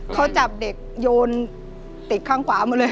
เค้าจับเด็กโยนติดข้างขวามันเลยค่ะ